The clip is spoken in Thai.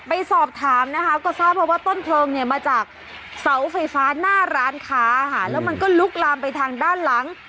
ไปสอบถามนะคะก็ทราบเพราะว่าต้นเพลิงเนี่ยมาจากเสาไฟฟ้าหน้าร้านค้าค่ะแล้วมันก็ลุกลามไปทางด้านหลัง